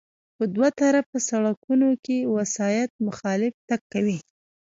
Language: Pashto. په دوه طرفه سړکونو کې وسایط مخالف تګ کوي